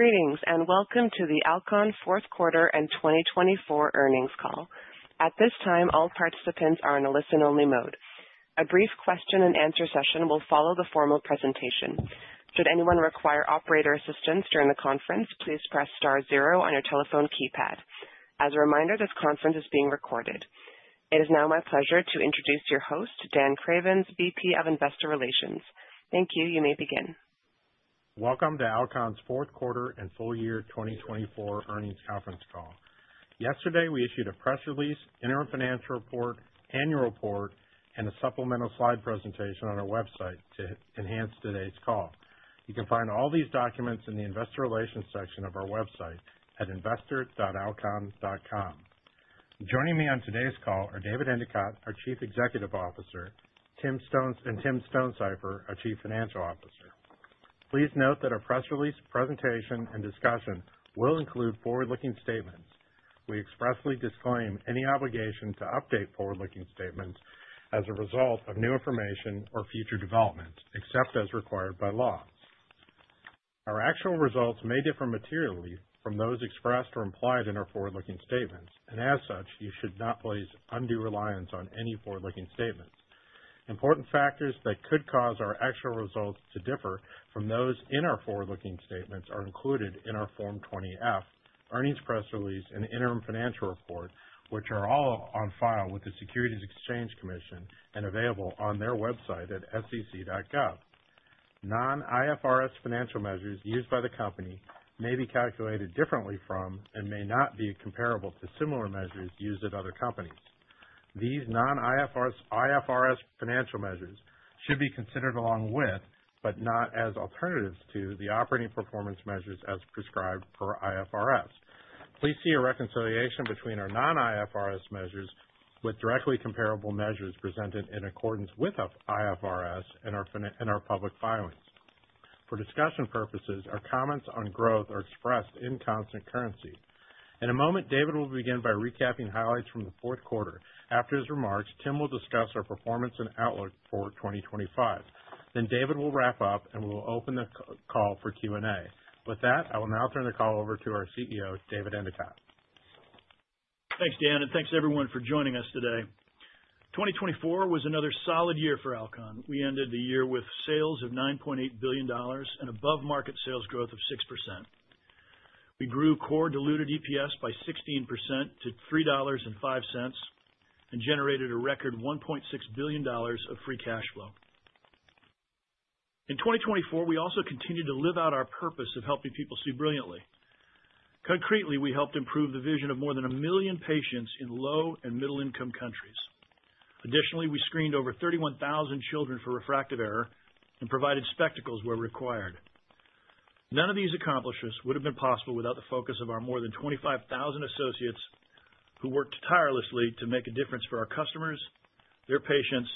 Greetings and welcome to the Alcon Fourth Quarter and 2024 Earnings Call. At this time, all participants are in a listen-only mode. A brief question-and-answer session will follow the formal presentation. Should anyone require operator assistance during the conference, please press star zero on your telephone keypad. As a reminder, this conference is being recorded. It is now my pleasure to introduce your host, Dan Cravens, VP of Investor Relations. Thank you. You may begin. Welcome to Alcon's Fourth Quarter and Full Year 2024 Earnings Conference call. Yesterday, we issued a press release, interim financial report, annual report, and a supplemental slide presentation on our website to enhance today's call. You can find all these documents in the investor relations section of our website at investor.alcon.com. Joining me on today's call are David Endicott, our Chief Executive Officer, Tim Stonesifer, our Chief Financial Officer. Please note that our press release, presentation, and discussion will include forward-looking statements. We expressly disclaim any obligation to update forward-looking statements as a result of new information or future development, except as required by law. Our actual results may differ materially from those expressed or implied in our forward-looking statements, and as such, you should not place undue reliance on any forward-looking statements. Important factors that could cause our actual results to differ from those in our forward-looking statements are included in our Form 20-F, earnings press release, and interim financial report, which are all on file with the Securities and Exchange Commission and available on their website at sec.gov. Non-IFRS financial measures used by the company may be calculated differently from and may not be comparable to similar measures used at other companies. These non-IFRS financial measures should be considered along with, but not as alternatives to, the operating performance measures as prescribed per IFRS. Please see a reconciliation between our non-IFRS measures and directly comparable measures presented in accordance with IFRS in our public filings. For discussion purposes, our comments on growth are expressed in constant currency. In a moment, David will begin by recapping highlights from the fourth quarter. After his remarks, Tim will discuss our performance and outlook for 2025. Then David will wrap up, and we will open the call for Q&A. With that, I will now turn the call over to our CEO, David Endicott. Thanks, Dan, and thanks everyone for joining us today. 2024 was another solid year for Alcon. We ended the year with sales of $9.8 billion and above-market sales growth of 6%. We grew core diluted EPS by 16% to $3.05 and generated a record $1.6 billion of free cash flow. In 2024, we also continued to live out our purpose of helping people see brilliantly. Concretely, we helped improve the vision of more than a million patients in low and middle-income countries. Additionally, we screened over 31,000 children for refractive error and provided spectacles where required. None of these accomplishments would have been possible without the focus of our more than 25,000 associates who worked tirelessly to make a difference for our customers, their patients,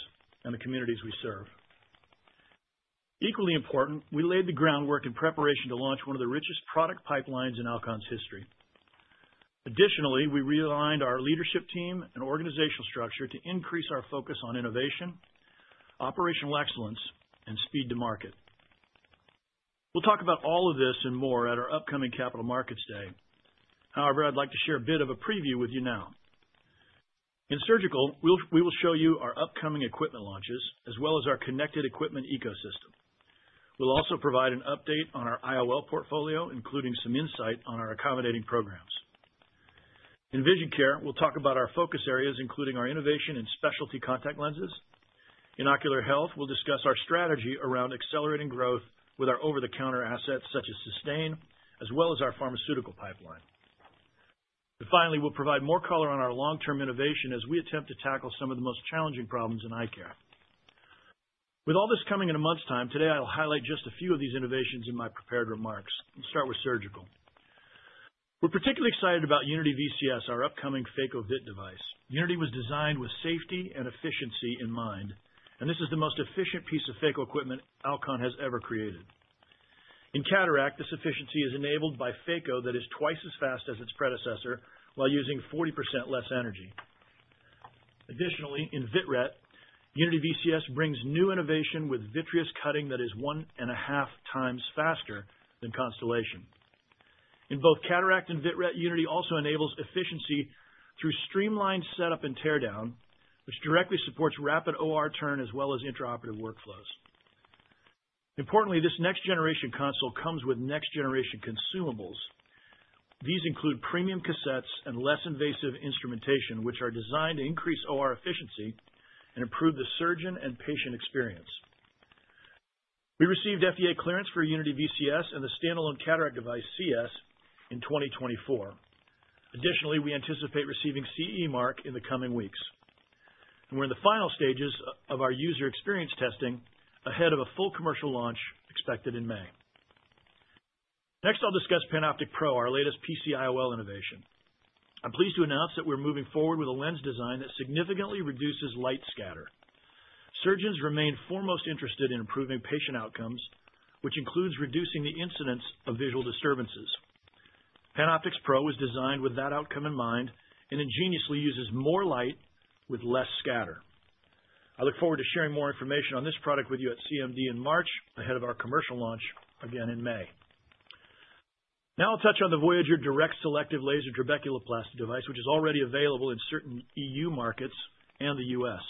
and the communities we serve. Equally important, we laid the groundwork in preparation to launch one of the richest product pipelines in Alcon's history. Additionally, we realigned our leadership team and organizational structure to increase our focus on innovation, operational excellence, and speed to market. We'll talk about all of this and more at our upcoming Capital Markets Day. However, I'd like to share a bit of a preview with you now. In Surgical, we will show you our upcoming equipment launches as well as our connected equipment ecosystem. We'll also provide an update on our IOL portfolio, including some insight on our accommodating programs. In Vision Care, we'll talk about our focus areas, including our innovation and specialty contact lenses. In ocular health, we'll discuss our strategy around accelerating growth with our over-the-counter assets such as Systane, as well as our pharmaceutical pipeline, and finally, we'll provide more color on our long-term innovation as we attempt to tackle some of the most challenging problems in eye care. With all this coming in a month's time, today I'll highlight just a few of these innovations in my prepared remarks. We'll start with Surgical We're particularly excited about Unity VCS, our upcoming phaco vit device. Unity was designed with safety and efficiency in mind, and this is the most efficient piece of phaco equipment Alcon has ever created. In cataract, this efficiency is enabled by phaco that is twice as fast as its predecessor while using 40% less energy. Additionally, in vitret, Unity VCS brings new innovation with vitreous cutting that is one and a half times faster than Constellation. In both cataract and vitret, Unity also enables efficiency through streamlined setup and teardown, which directly supports rapid OR turn as well as intraoperative workflows. Importantly, this next-generation console comes with next-generation consumables. These include premium cassettes and less invasive instrumentation, which are designed to increase OR efficiency and improve the surgeon and patient experience. We received FDA clearance for Unity VCS and the standalone cataract device Unity CS in 2024. Additionally, we anticipate receiving CE mark in the coming weeks, and we're in the final stages of our user experience testing ahead of a full commercial launch expected in May. Next, I'll discuss PanOptix Pro, our latest PC IOL innovation. I'm pleased to announce that we're moving forward with a lens design that significantly reduces light scatter. Surgeons remain foremost interested in improving patient outcomes, which includes reducing the incidence of visual disturbances. PanOptix Pro is designed with that outcome in mind and ingeniously uses more light with less scatter. I look forward to sharing more information on this product with you at CMD in March ahead of our commercial launch again in May. Now I'll touch on the Voyager direct selective laser trabeculoplasty device, which is already available in certain E.U. markets and the U.S.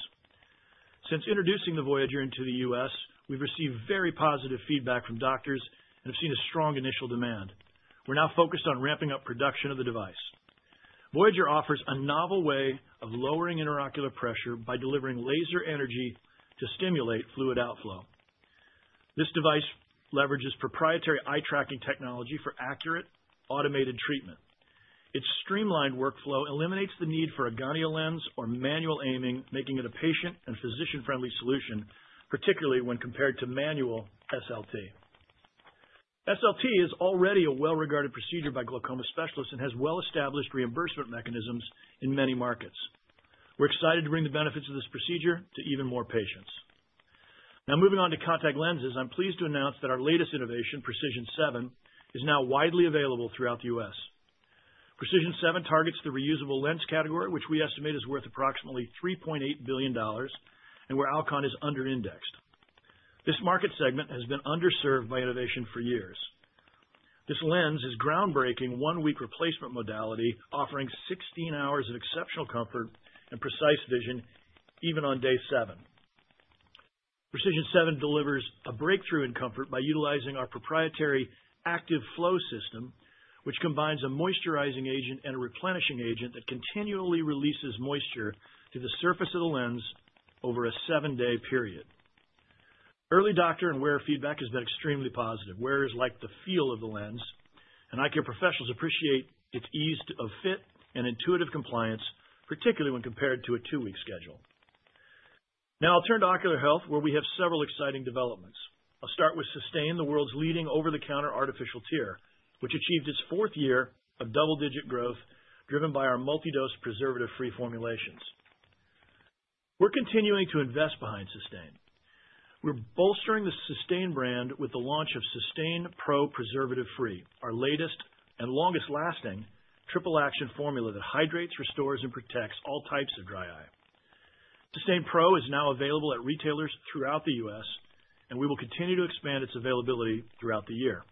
Since introducing the Voyager into the U.S., we've received very positive feedback from doctors and have seen a strong initial demand. We're now focused on ramping up production of the device. Voyager offers a novel way of lowering intraocular pressure by delivering laser energy to stimulate fluid outflow. This device leverages proprietary eye tracking technology for accurate automated treatment. Its streamlined workflow eliminates the need for a gonio lens or manual aiming, making it a patient and physician-friendly solution, particularly when compared to manual SLT. SLT is already a well-regarded procedure by glaucoma specialists and has well-established reimbursement mechanisms in many markets. We're excited to bring the benefits of this procedure to even more patients. Now moving on to contact lenses, I'm pleased to announce that our latest innovation, PRECISION7, is now widely available throughout the U.S. PRECISION7 targets the reusable lens category, which we estimate is worth approximately $3.8 billion, and where Alcon is under-indexed. This market segment has been underserved by innovation for years. This lens is groundbreaking one-week replacement modality, offering 16 hours of exceptional comfort and precise vision even on day seven. PRECISION7 delivers a breakthrough in comfort by utilizing our proprietary ACTIV-FLO system, which combines a moisturizing agent and a replenishing agent that continually releases moisture to the surface of the lens over a seven-day period. Early doctor and wearer feedback has been extremely positive. Wearer is like the feel of the lens, and eye care professionals appreciate its ease of fit and intuitive compliance, particularly when compared to a two-week schedule. Now I'll turn to ocular health, where we have several exciting developments. I'll start with Systane, the world's leading over-the-counter artificial tear, which achieved its fourth year of double-digit growth driven by our multi-dose preservative-free formulations. We're continuing to invest behind Systane. We're bolstering the Systane brand with the launch of Systane PRO Preservative Free, our latest and longest-lasting triple-action formula that hydrates, restores, and protects all types of dry eye. Systane PRO is now available at retailers throughout the U.S., and we will continue to expand its availability throughout the year.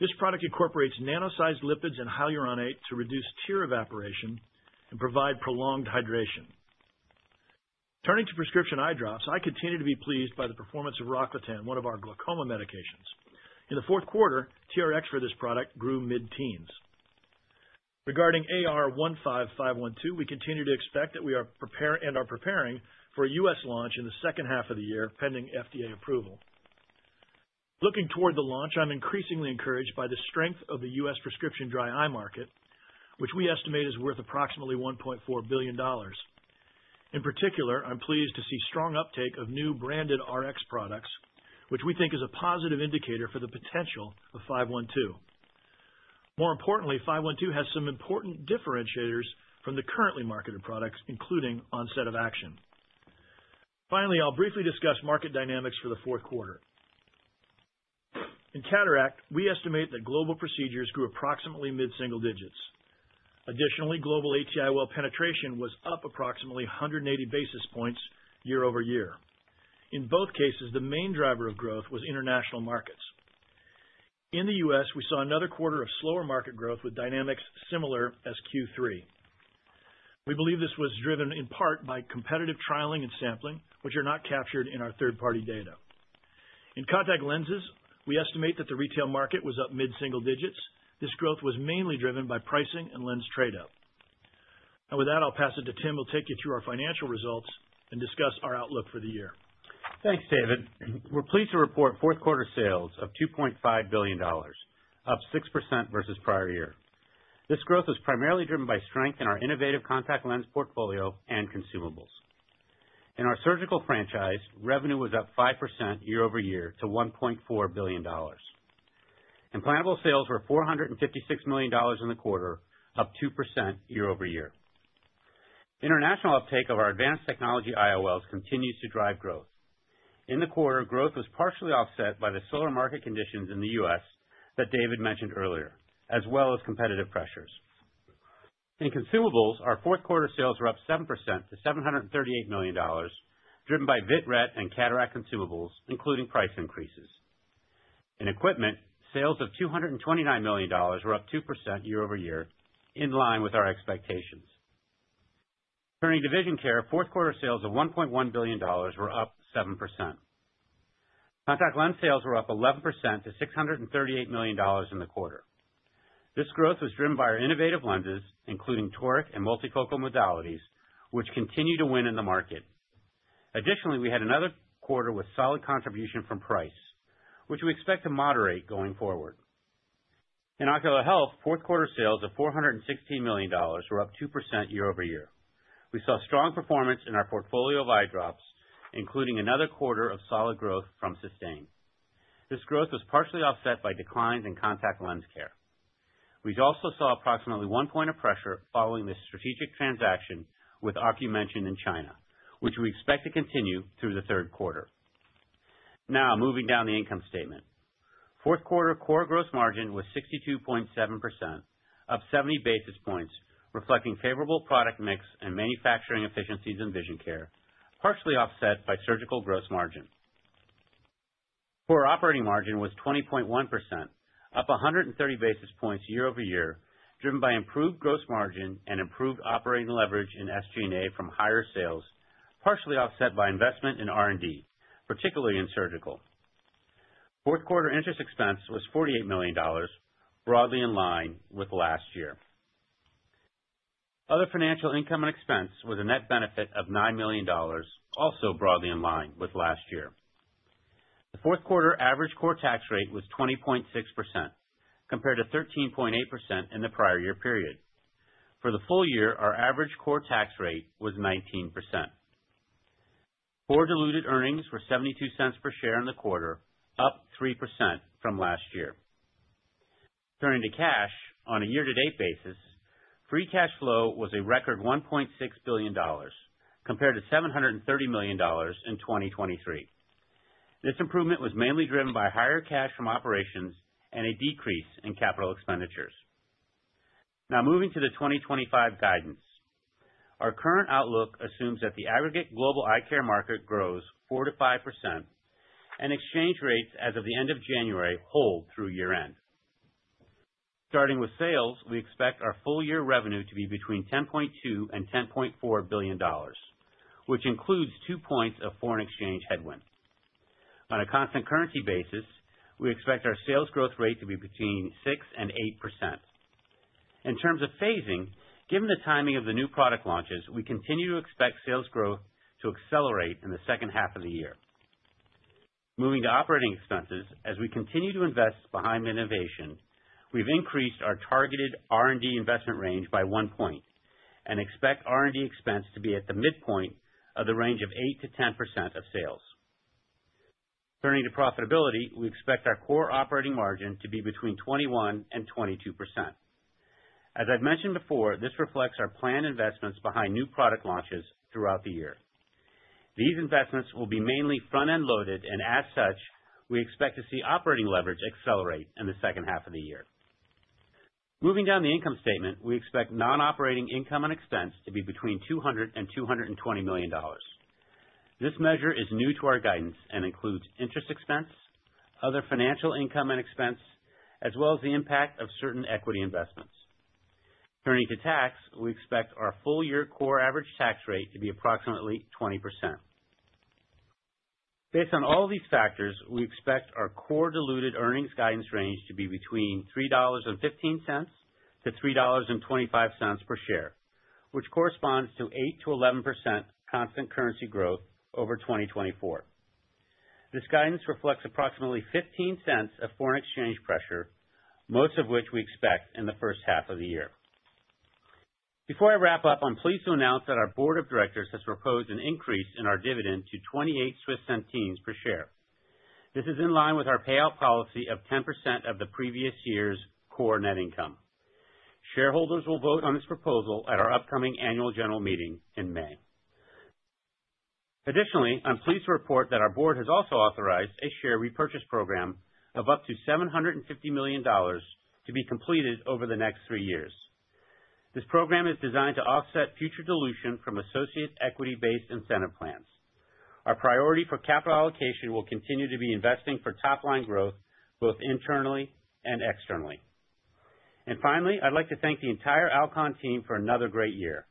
This product incorporates nano-sized lipids and hyaluronate to reduce tear evaporation and provide prolonged hydration. Turning to prescription eye drops, I continue to be pleased by the performance of Rocklatan, one of our glaucoma medications. In the fourth quarter, TRx for this product grew mid-teens. Regarding AR-15512, we continue to expect that we are preparing for a U.S. launch in the second half of the year pending FDA approval. Looking toward the launch, I'm increasingly encouraged by the strength of the U.S. prescription dry eye market, which we estimate is worth approximately $1.4 billion. In particular, I'm pleased to see strong uptake of new branded Rx products, which we think is a positive indicator for the potential of 512. More importantly, 512 has some important differentiators from the currently marketed products, including onset of action. Finally, I'll briefly discuss market dynamics for the fourth quarter. In cataract, we estimate that global procedures grew approximately mid-single digits. Additionally, global AT-IOL penetration was up approximately 180 basis points year-over-year. In both cases, the main driver of growth was international markets. In the U.S., we saw another quarter of slower market growth with dynamics similar as Q3. We believe this was driven in part by competitive trialing and sampling, which are not captured in our third-party data. In contact lenses, we estimate that the retail market was up mid-single digits. This growth was mainly driven by pricing and lens trade-up. And with that, I'll pass it to Tim, who will take you through our financial results and discuss our outlook for the year. Thanks, David. We're pleased to report fourth quarter sales of $2.5 billion, up 6% versus prior year. This growth is primarily driven by strength in our innovative contact lens portfolio and consumables. In our Surgical franchise, revenue was up 5% year-over-year to $1.4 billion. Implantable sales were $456 million in the quarter, up 2% year-over-year. International uptake of our advanced technology IOLs continues to drive growth. In the quarter, growth was partially offset by the slower market conditions in the U.S. that David mentioned earlier, as well as competitive pressures. In consumables, our fourth quarter sales were up 7% to $738 million, driven by Vitret and cataract consumables, including price increases. In equipment, sales of $229 million were up 2% year-over-year, in line with our expectations. Turning to Vision Care, fourth quarter sales of $1.1 billion were up 7%. Contact lens sales were up 11% to $638 million in the quarter. This growth was driven by our innovative lenses, including toric and multifocal modalities, which continue to win in the market. Additionally, we had another quarter with solid contribution from price, which we expect to moderate going forward. In ocular health, fourth quarter sales of $416 million were up 2% year-over-year. We saw strong performance in our portfolio of eye drops, including another quarter of solid growth from Systane. This growth was partially offset by declines in contact lens care. We also saw approximately one point of pressure following this strategic transaction with Ocumension in China, which we expect to continue through the third quarter. Now moving down the income statement. Fourth quarter core gross margin was 62.7%, up 70 basis points, reflecting favorable product mix and manufacturing efficiencies in Vision Care, partially offset by surgical gross margin. Core operating margin was 20.1%, up 130 basis points year-over-year, driven by improved gross margin and improved operating leverage in SG&A from higher sales, partially offset by investment in R&D, particularly in Surgical. Fourth quarter interest expense was $48 million, broadly in line with last year. Other financial income and expense was a net benefit of $9 million, also broadly in line with last year. The fourth quarter average core tax rate was 20.6%, compared to 13.8% in the prior year period. For the full year, our average core tax rate was 19%. Core diluted earnings were $0.72 per share in the quarter, up 3% from last year. Turning to cash, on a year-to-date basis, free cash flow was a record $1.6 billion, compared to $730 million in 2023. This improvement was mainly driven by higher cash from operations and a decrease in capital expenditures. Now moving to the 2025 guidance. Our current outlook assumes that the aggregate global eye care market grows 4%-5%, and exchange rates as of the end of January hold through year-end. Starting with sales, we expect our full year revenue to be between $10.2 billion and $10.4 billion, which includes two points of foreign exchange headwind. On a constant currency basis, we expect our sales growth rate to be between 6% and 8%. In terms of phasing, given the timing of the new product launches, we continue to expect sales growth to accelerate in the second half of the year. Moving to operating expenses, as we continue to invest behind innovation, we've increased our targeted R&D investment range by one point and expect R&D expense to be at the midpoint of the range of 8%-10% of sales. Turning to profitability, we expect our core operating margin to be between 21% and 22%. As I've mentioned before, this reflects our planned investments behind new product launches throughout the year. These investments will be mainly front-end loaded, and as such, we expect to see operating leverage accelerate in the second half of the year. Moving down the income statement, we expect non-operating income and expense to be between $200-$220 million. This measure is new to our guidance and includes interest expense, other financial income and expense, as well as the impact of certain equity investments. Turning to tax, we expect our full year core average tax rate to be approximately 20%. Based on all these factors, we expect our core diluted earnings guidance range to be between $3.15-$3.25 per share, which corresponds to 8%-11% constant currency growth over 2024. This guidance reflects approximately $0.15 of foreign exchange pressure, most of which we expect in the first half of the year. Before I wrap up, I'm pleased to announce that our board of directors has proposed an increase in our dividend to 0.28 per share. This is in line with our payout policy of 10% of the previous year's core net income. Shareholders will vote on this proposal at our upcoming annual general meeting in May. Additionally, I'm pleased to report that our board has also authorized a share repurchase program of up to $750 million to be completed over the next three years. This program is designed to offset future dilution from associated equity-based incentive plans. Our priority for capital allocation will continue to be investing for top-line growth, both internally and externally. And finally, I'd like to thank the entire Alcon team for another great year.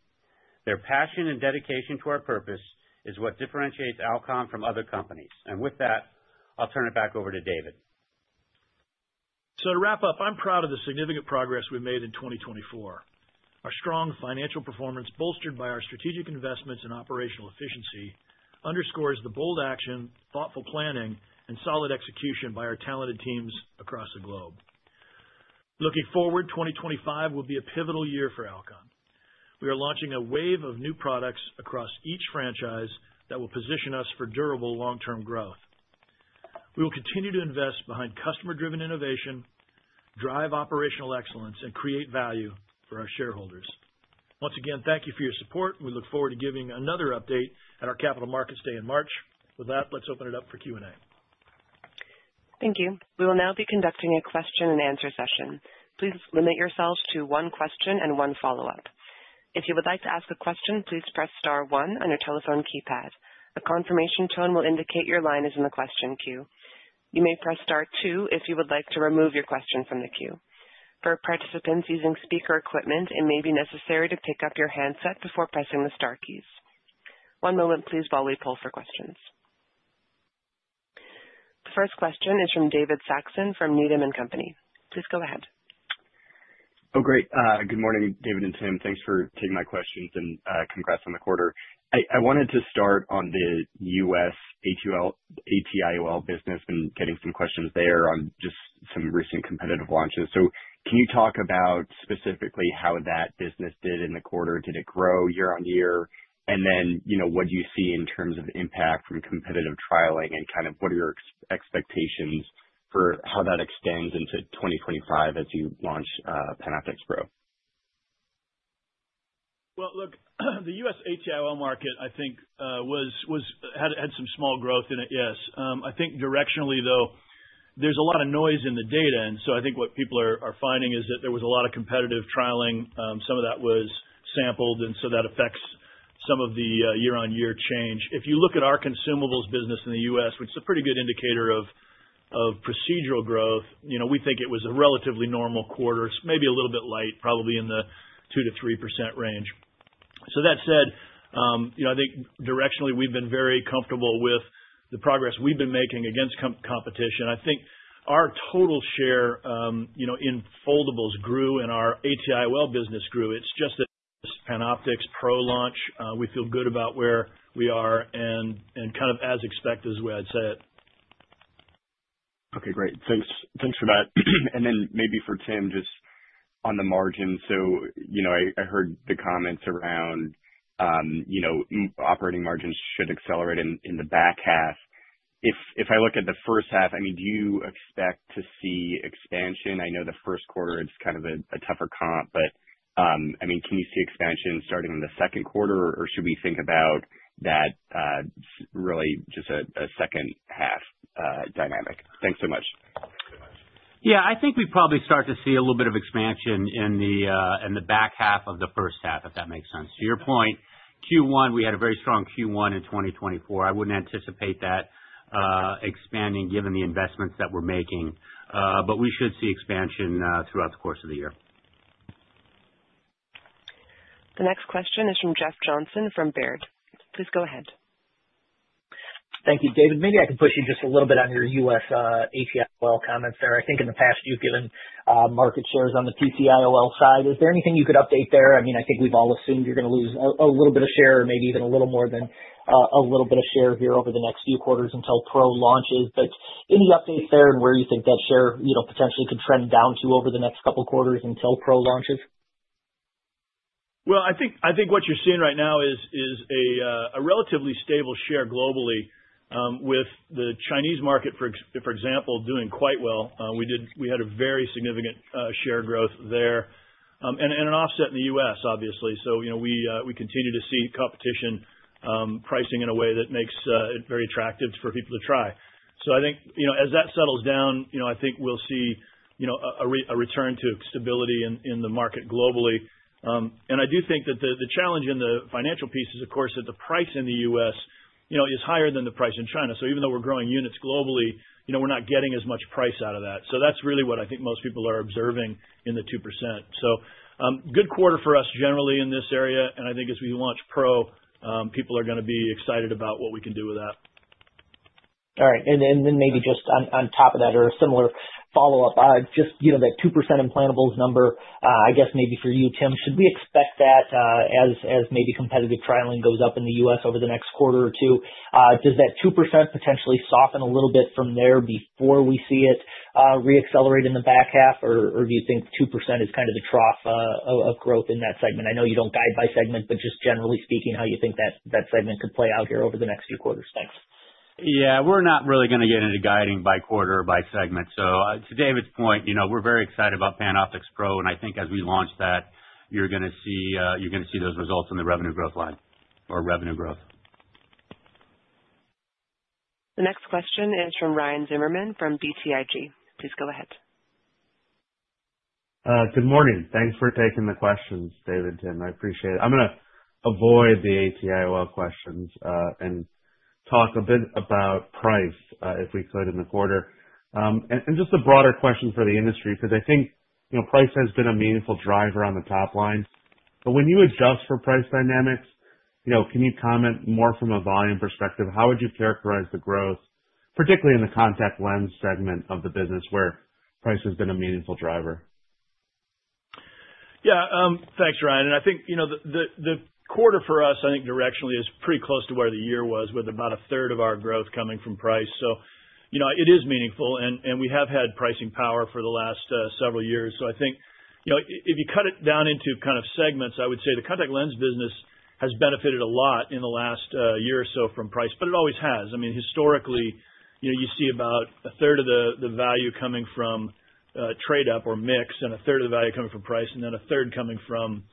Their passion and dedication to our purpose is what differentiates Alcon from other companies. And with that, I'll turn it back over to David. So to wrap up, I'm proud of the significant progress we've made in 2024. Our strong financial performance, bolstered by our strategic investments and operational efficiency, underscores the bold action, thoughtful planning, and solid execution by our talented teams across the globe. Looking forward, 2025 will be a pivotal year for Alcon. We are launching a wave of new products across each franchise that will position us for durable long-term growth. We will continue to invest behind customer-driven innovation, drive operational excellence, and create value for our shareholders. Once again, thank you for your support, and we look forward to giving another update at our Capital Markets Day in March. With that, let's open it up for Q&A. Thank you. We will now be conducting a question-and-answer session. Please limit yourselves to one question and one follow-up. If you would like to ask a question, please press star one on your telephone keypad. A confirmation tone will indicate your line is in the question queue. You may press star two if you would like to remove your question from the queue. For participants using speaker equipment, it may be necessary to pick up your handset before pressing the star keys. One moment, please, while we pull for questions. The first question is from David Saxon from Needham & Company. Please go ahead. Oh, great. Good morning, David and Tim. Thanks for taking my questions and congrats on the quarter. I wanted to start on the U.S. AT-IOL business and getting some questions there on just some recent competitive launches. So can you talk about specifically how that business did in the quarter? Did it grow year-on-year? And then what do you see in terms of impact from competitive trialing and kind of what are your expectations for how that extends into 2025 as you launch PanOptix Pro? Look, the U.S. AT-IOL market, I think, had some small growth in it, yes. I think directionally, though, there's a lot of noise in the data. And so I think what people are finding is that there was a lot of competitive trialing. Some of that was sampled, and so that affects some of the year-on-year change. If you look at our consumables business in the U.S., which is a pretty good indicator of procedural growth, we think it was a relatively normal quarter, maybe a little bit light, probably in the 2%-3% range. So that said, I think directionally, we've been very comfortable with the progress we've been making against competition. I think our total share in foldables grew and our AT-IOL business grew. It's just that PanOptix Pro launch, we feel good about where we are and kind of as expected, is the way I'd say it. Okay, great. Thanks for that. And then maybe for Tim, just on the margins, so I heard the comments around operating margins should accelerate in the back half. If I look at the first half, I mean, do you expect to see expansion? I know the first quarter, it's kind of a tougher comp, but I mean, can you see expansion starting in the second quarter, or should we think about that really just a second-half dynamic? Thanks so much. Yeah, I think we probably start to see a little bit of expansion in the back half of the first half, if that makes sense. To your point, Q1, we had a very strong Q1 in 2024. I wouldn't anticipate that expanding given the investments that we're making, but we should see expansion throughout the course of the year. The next question is from Jeff Johnson from Baird. Please go ahead. Thank you, David. Maybe I can push you just a little bit on your U.S. AT-IOL comments there. I think in the past, you've given market shares on the PC-IOL side. Is there anything you could update there? I mean, I think we've all assumed you're going to lose a little bit of share or maybe even a little more than a little bit of share here over the next few quarters until Pro launches. But any updates there and where you think that share potentially could trend down to over the next couple of quarters until Pro launches? I think what you're seeing right now is a relatively stable share globally, with the Chinese market, for example, doing quite well. We had a very significant share growth there and an offset in the U.S., obviously. We continue to see competition pricing in a way that makes it very attractive for people to try. I think as that settles down, I think we'll see a return to stability in the market globally. I do think that the challenge in the financial piece is, of course, that the price in the U.S. is higher than the price in China. Even though we're growing units globally, we're not getting as much price out of that. That's really what I think most people are observing in the 2%. Good quarter for us generally in this area. I think as we launch Pro, people are going to be excited about what we can do with that. All right. And then maybe just on top of that or a similar follow-up, just that 2% implantable number, I guess maybe for you, Tim, should we expect that as maybe competitive trialing goes up in the U.S. over the next quarter or two, does that 2% potentially soften a little bit from there before we see it re-accelerate in the back half, or do you think 2% is kind of the trough of growth in that segment? I know you don't guide by segment, but just generally speaking, how do you think that segment could play out here over the next few quarters? Thanks. Yeah, we're not really going to get into guiding by quarter or by segment. So to David's point, we're very excited about PanOptix Pro, and I think as we launch that, you're going to see those results in the revenue growth line or revenue growth. The next question is from Ryan Zimmerman from BTIG. Please go ahead. Good morning. Thanks for taking the questions, David, Tim. I appreciate it. I'm going to avoid the AT-IOL questions and talk a bit about price, if we could, in the quarter. And just a broader question for the industry because I think price has been a meaningful driver on the top line. But when you adjust for price dynamics, can you comment more from a volume perspective? How would you characterize the growth, particularly in the contact lens segment of the business where price has been a meaningful driver? Yeah, thanks, Ryan. And I think the quarter for us, I think directionally, is pretty close to where the year was, with about a third of our growth coming from price. So it is meaningful, and we have had pricing power for the last several years. So I think if you cut it down into kind of segments, I would say the contact lens business has benefited a lot in the last year or so from price, but it always has. I mean, historically, you see about a third of the value coming from trade-up or mix and a third of the value coming from price and then a third coming from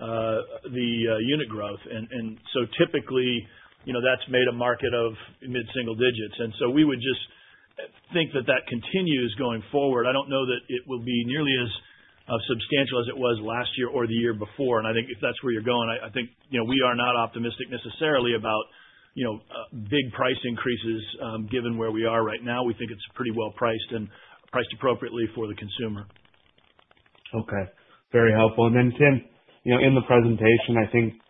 the unit growth. And so typically, that's made a market of mid-single digits. And so we would just think that that continues going forward. I don't know that it will be nearly as substantial as it was last year or the year before. And I think if that's where you're going, I think we are not optimistic necessarily about big price increases given where we are right now. We think it's pretty well priced and priced appropriately for the consumer. Okay. Very helpful. And then, Tim, in the presentation, I think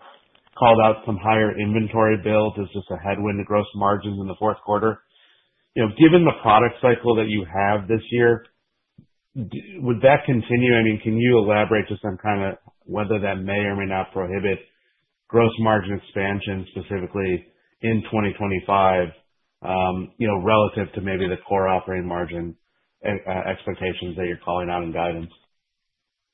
called out some higher inventory build as just a headwind to gross margins in the fourth quarter. Given the product cycle that you have this year, would that continue? I mean, can you elaborate just on kind of whether that may or may not prohibit gross margin expansion specifically in 2025 relative to maybe the core operating margin expectations that you're calling out in guidance?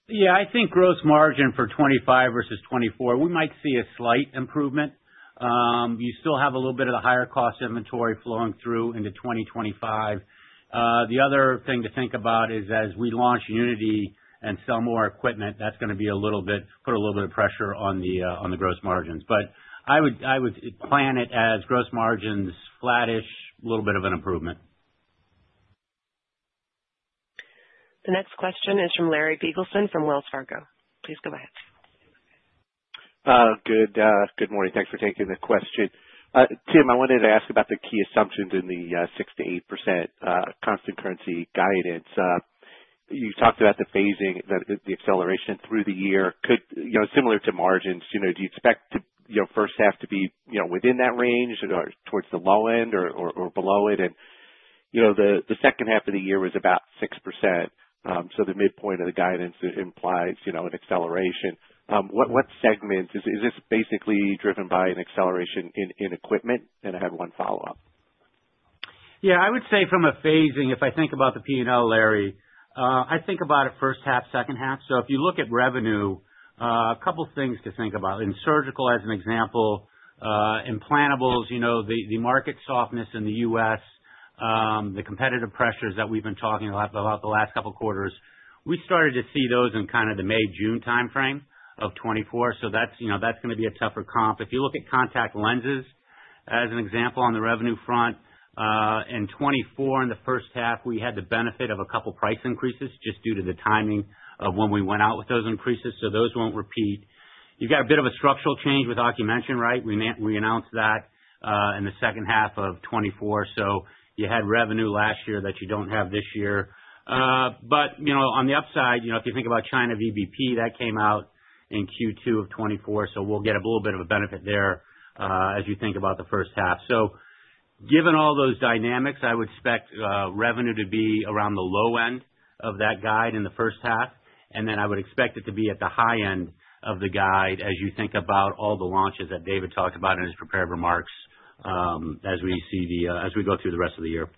Yeah, I think gross margin for 2025 versus 2024, we might see a slight improvement. You still have a little bit of the higher cost inventory flowing through into 2025. The other thing to think about is as we launch Unity and sell more equipment, that's going to put a little bit of pressure on the gross margins. But I would plan it as gross margins flattish, a little bit of an improvement. The next question is from Larry Biegelsen from Wells Fargo. Please go ahead. Good morning. Thanks for taking the question. Tim, I wanted to ask about the key assumptions in the 6%-8% constant currency guidance. You talked about the phasing, the acceleration through the year. Similar to margins, do you expect the first half to be within that range or towards the low end or below it? And the second half of the year was about 6%. So the midpoint of the guidance implies an acceleration. What segment is this basically driven by an acceleration in equipment? And I have one follow-up. Yeah, I would say from a phasing, if I think about the P&L, Larry, I think about it first half, second half. So if you look at revenue, a couple of things to think about. In Surgical, as an example, implantables, the market softness in the U.S., the competitive pressures that we've been talking about the last couple of quarters, we started to see those in kind of the May, June timeframe of 2024. So that's going to be a tougher comp. If you look at contact lenses as an example on the revenue front, in 2024, in the first half, we had the benefit of a couple of price increases just due to the timing of when we went out with those increases. So those won't repeat. You've got a bit of a structural change with Ocumension, right? We announced that in the second half of 2024. So you had revenue last year that you don't have this year. But on the upside, if you think about China VBP, that came out in Q2 of 2024. So we'll get a little bit of a benefit there as you think about the first half. So given all those dynamics, I would expect revenue to be around the low end of that guide in the first half. And then I would expect it to be at the high end of the guide as you think about all the launches that David talked about in his prepared remarks as we go through the rest of the year.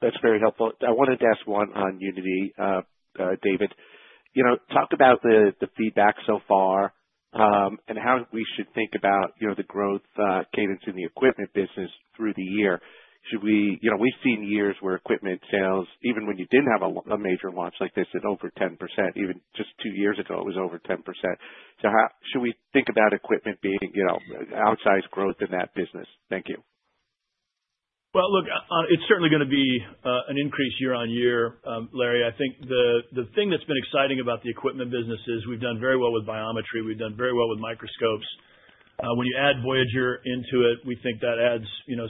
That's very helpful. I wanted to ask one on Unity, David. Talk about the feedback so far and how we should think about the growth cadence in the equipment business through the year. We've seen years where equipment sales, even when you didn't have a major launch like this, at over 10%. Even just two years ago, it was over 10%. So should we think about equipment being outsized growth in that business? Thank you. Look, it's certainly going to be an increase year-on-year, Larry. I think the thing that's been exciting about the equipment business is we've done very well with biometry. We've done very well with microscopes. When you add Voyager into it, we think that adds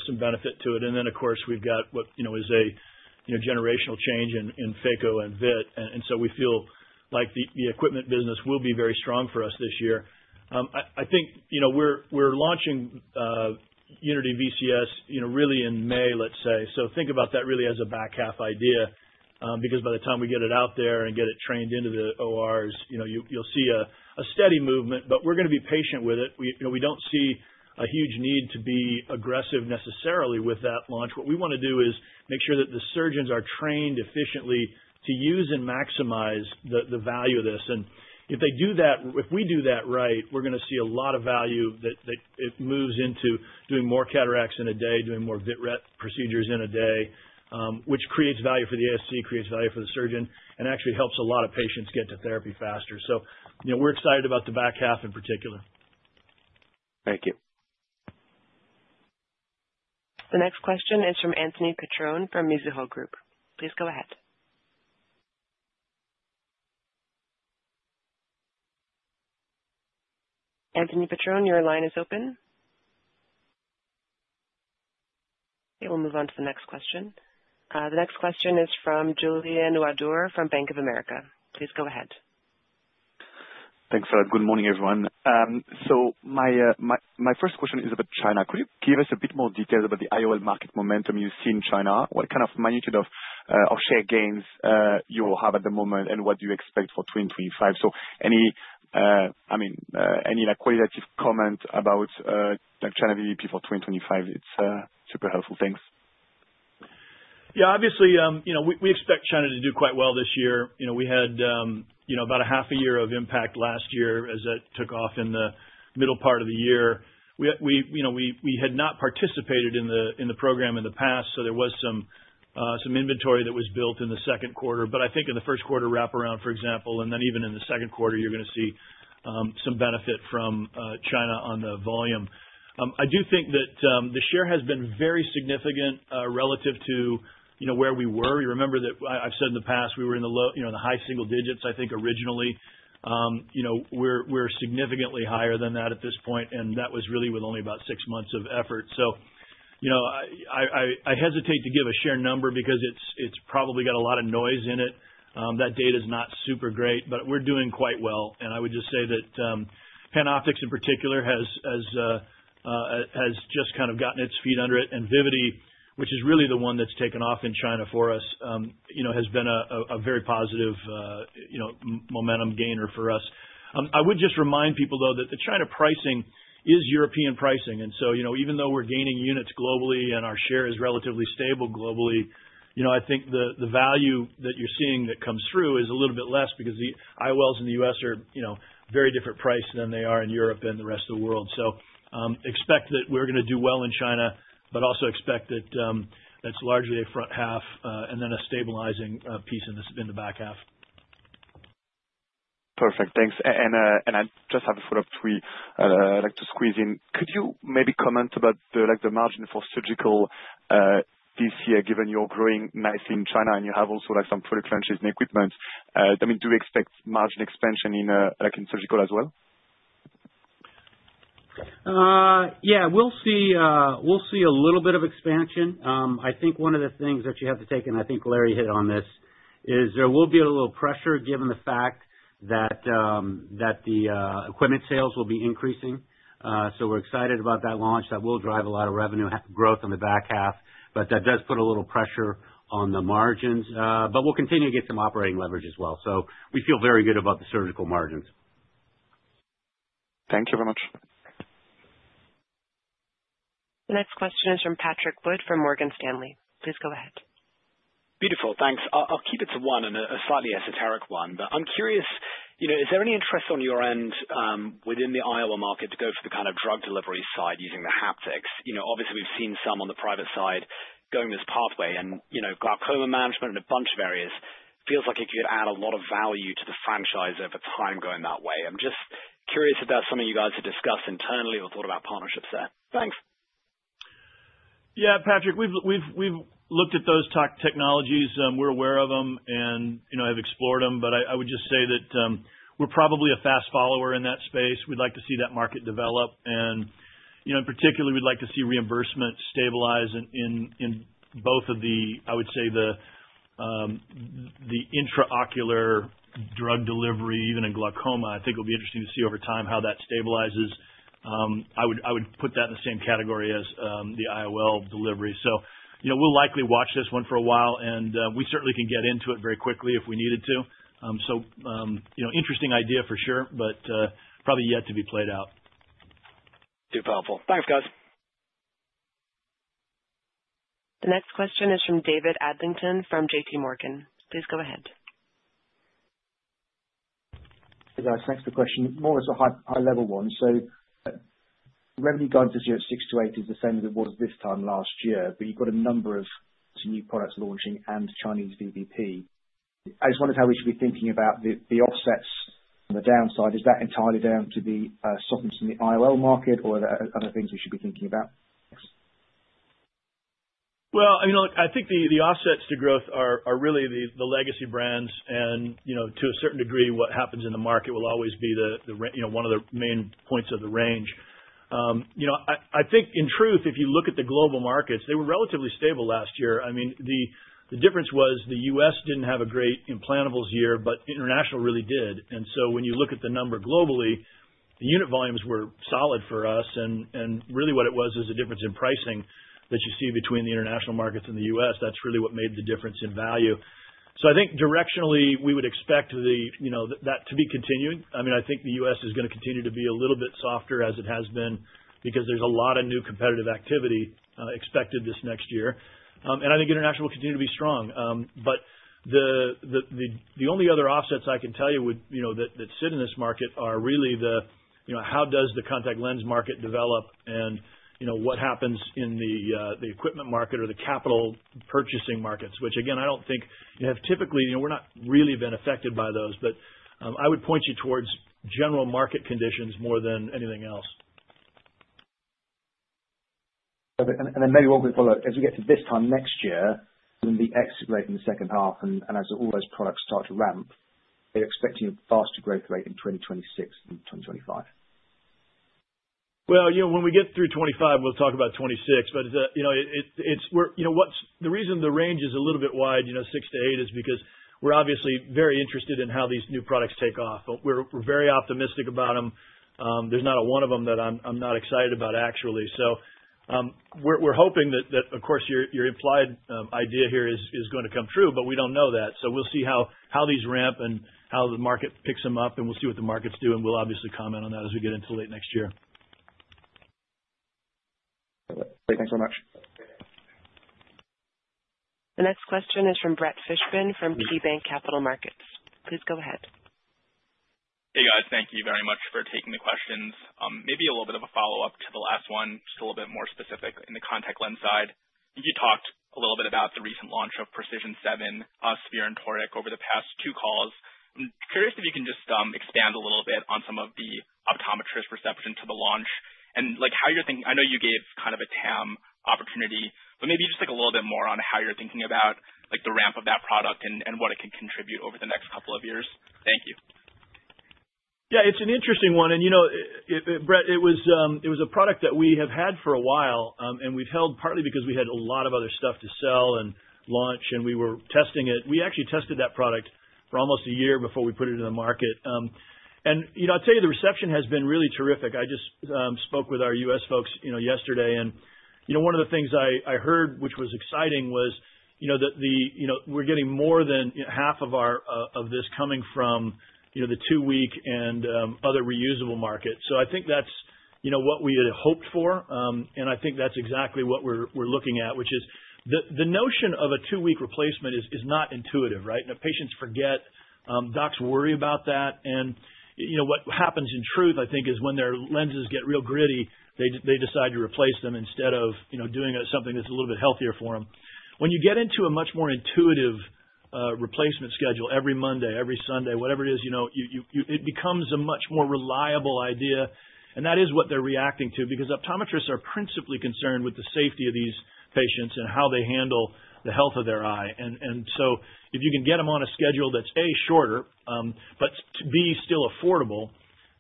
some benefit to it. And then, of course, we've got what is a generational change in phaco and vit. And so we feel like the equipment business will be very strong for us this year. I think we're launching Unity VCS really in May, let's say. So think about that really as a back half idea because by the time we get it out there and get it trained into the ORs, you'll see a steady movement. But we're going to be patient with it. We don't see a huge need to be aggressive necessarily with that launch. What we want to do is make sure that the surgeons are trained efficiently to use and maximize the value of this, and if they do that, if we do that right, we're going to see a lot of value that it moves into doing more cataracts in a day, doing more vitret procedures in a day, which creates value for the ASC, creates value for the surgeon, and actually helps a lot of patients get to therapy faster, so we're excited about the back half in particular. Thank you. The next question is from Anthony Petrone from Mizuho Group. Please go ahead. Anthony Petrone, your line is open. Okay, we'll move on to the next question. The next question is from Julien Ouaddour from Bank of America. Please go ahead. Thanks, Fred. Good morning, everyone. So my first question is about China. Could you give us a bit more details about the IOL market momentum you see in China? What kind of magnitude of share gains you will have at the moment and what do you expect for 2025? So I mean, any qualitative comment about China VBP for 2025? It's super helpful. Thanks. Yeah, obviously, we expect China to do quite well this year. We had about a half a year of impact last year as it took off in the middle part of the year. We had not participated in the program in the past, so there was some inventory that was built in the second quarter. But I think in the first quarter wraparound, for example, and then even in the second quarter, you're going to see some benefit from China on the volume. I do think that the share has been very significant relative to where we were. You remember that I've said in the past we were in the high single digits, I think originally. We're significantly higher than that at this point, and that was really with only about six months of effort. So I hesitate to give a share number because it's probably got a lot of noise in it. That data is not super great, but we're doing quite well. And I would just say that PanOptix in particular has just kind of gotten its feet under it. And Vivity, which is really the one that's taken off in China for us, has been a very positive momentum gainer for us. I would just remind people, though, that the China pricing is European pricing. And so even though we're gaining units globally and our share is relatively stable globally, I think the value that you're seeing that comes through is a little bit less because the IOLs in the U.S. are very different priced than they are in Europe and the rest of the world. So expect that we're going to do well in China, but also expect that that's largely a front half and then a stabilizing piece in the back half. Perfect. Thanks. And I just have a follow-up to squeeze in. Could you maybe comment about the margin for Surgical this year, given you're growing nicely in China and you have also some further crunches in equipment? I mean, do we expect margin expansion in Surgical as well? Yeah, we'll see a little bit of expansion. I think one of the things that you have to take in, I think Larry hit on this, is there will be a little pressure given the fact that the equipment sales will be increasing. So we're excited about that launch that will drive a lot of revenue growth in the back half. But that does put a little pressure on the margins. But we'll continue to get some operating leverage as well. So we feel very good about the Surgical margins. Thank you very much. The next question is from Patrick Wood from Morgan Stanley. Please go ahead. Beautiful. Thanks. I'll keep it to one and a slightly esoteric one. But I'm curious, is there any interest on your end within the IOL market to go for the kind of drug delivery side using the haptics? Obviously, we've seen some on the private side going this pathway. And glaucoma management and a bunch of areas feels like it could add a lot of value to the franchise over time going that way. I'm just curious if that's something you guys have discussed internally or thought about partnerships there. Thanks. Yeah, Patrick, we've looked at those technologies. We're aware of them and have explored them. But I would just say that we're probably a fast follower in that space. We'd like to see that market develop. And particularly, we'd like to see reimbursement stabilize in both of the, I would say, the intraocular drug delivery, even in glaucoma. I think it'll be interesting to see over time how that stabilizes. I would put that in the same category as the IOL delivery. So we'll likely watch this one for a while, and we certainly can get into it very quickly if we needed to. So interesting idea for sure, but probably yet to be played out. Super helpful. Thanks, guys. The next question is from David Adlington from JP Morgan. Please go ahead. Thanks for the question. More as a high-level one. So revenue guidance is at 6%-8% is the same as it was this time last year, but you've got a number of new products launching and Chinese VBP. I just wondered how we should be thinking about the offsets on the downside. Is that entirely down to the softness in the IOL market, or are there other things we should be thinking about? I think the offsets to growth are really the legacy brands. And to a certain degree, what happens in the market will always be one of the main points of the range. I think in truth, if you look at the global markets, they were relatively stable last year. I mean, the difference was the U.S. didn't have a great implantables year, but international really did. And so when you look at the number globally, the unit volumes were solid for us. And really what it was is a difference in pricing that you see between the international markets and the U.S. That's really what made the difference in value. So I think directionally, we would expect that to be continuing. I mean, I think the U.S. is going to continue to be a little bit softer as it has been because there's a lot of new competitive activity expected this next year. And I think international will continue to be strong. But the only other offsets I can tell you that sit in this market are really the how does the contact lens market develop and what happens in the equipment market or the capital purchasing markets, which again, I don't think we've typically been affected by those. But I would point you towards general market conditions more than anything else. Then maybe what we follow as we get to this time next year. Than the exit rate in the second half. As all those products start to ramp, they're expecting a faster growth rate in 2026 than 2025. When we get through 2025, we'll talk about 2026. But the reason the range is a little bit wide, 6-8, is because we're obviously very interested in how these new products take off. We're very optimistic about them. There's not a one of them that I'm not excited about, actually. So we're hoping that, of course, your implied idea here is going to come true, but we don't know that. So we'll see how these ramp and how the market picks them up, and we'll see what the market's doing. We'll obviously comment on that as we get into late next year. Thanks so much. The next question is from Brett Fishbin from KeyBank Capital Markets. Please go ahead. Hey, guys. Thank you very much for taking the questions. Maybe a little bit of a follow-up to the last one, just a little bit more specific in the contact lens side. You talked a little bit about the recent launch of PRECISION7, sphere and toric over the past two calls. I'm curious if you can just expand a little bit on some of the optometrist perception to the launch and how you're thinking. I know you gave kind of a TAM opportunity, but maybe just a little bit more on how you're thinking about the ramp of that product and what it can contribute over the next couple of years? Thank you. Yeah, it's an interesting one. And Brett, it was a product that we have had for a while, and we've held partly because we had a lot of other stuff to sell and launch, and we were testing it. We actually tested that product for almost a year before we put it in the market. And I'd tell you the reception has been really terrific. I just spoke with our U.S. folks yesterday, and one of the things I heard, which was exciting, was that we're getting more than half of this coming from the two-week and other reusable markets. So I think that's what we had hoped for. And I think that's exactly what we're looking at, which is the notion of a two-week replacement is not intuitive, right? Patients forget. Docs worry about that. What happens in truth, I think, is when their lenses get real gritty, they decide to replace them instead of doing something that's a little bit healthier for them. When you get into a much more intuitive replacement schedule, every Monday, every Sunday, whatever it is, it becomes a much more reliable idea. And that is what they're reacting to because optometrists are principally concerned with the safety of these patients and how they handle the health of their eye. And so if you can get them on a schedule that's, A, shorter, but, B, still affordable,